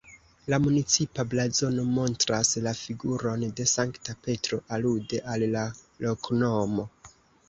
La municipa blazono montras la figuron de Sankta Petro alude al la loknomo.